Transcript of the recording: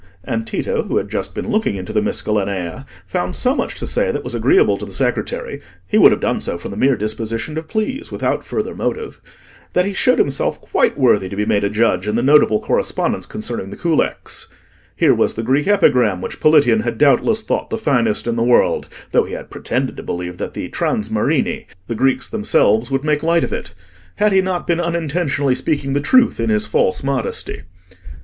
And Tito, who had just been looking into the 'Miscellanea,' found so much to say that was agreeable to the secretary—he would have done so from the mere disposition to please, without further motive—that he showed himself quite worthy to be made a judge in the notable correspondence concerning the culex. Here was the Greek epigram which Politian had doubtless thought the finest in the world, though he had pretended to believe that the "transmarini," the Greeks themselves, would make light of it: had he not been unintentionally speaking the truth in his false modesty?